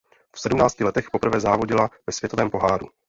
V sedmnácti letech poprvé závodila ve světovém poháru.